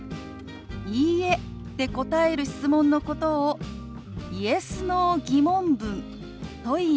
「いいえ」で答える質問のことを「Ｙｅｓ／Ｎｏ−疑問文」といいます。